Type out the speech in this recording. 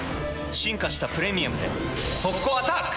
進化した「プレミアム」で速攻アタック！